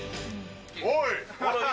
おい！